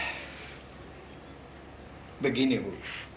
hai begini bu